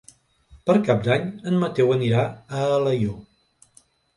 Per Cap d'Any en Mateu anirà a Alaior.